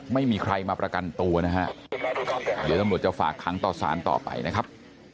ไม่มีใครมาประกันตัวนะฮะเดี๋ยวตำรวจจะฝากขังต่อสารต่อไปนะครับ